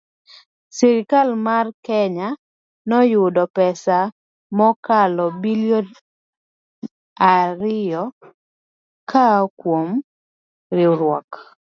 Sirkal mar Kenya noyudo pesa mokalo bilion ariyo koa kuom riwruok